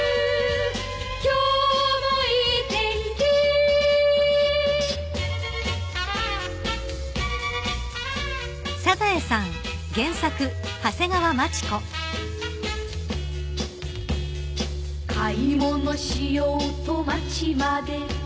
「今日もいい天気」「買い物しようと街まで」